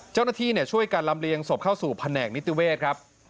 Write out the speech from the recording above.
เจ้าหน้าที่ช่วยกันลำเลียงศพเข้าสู่แผนกนิติเวศครับ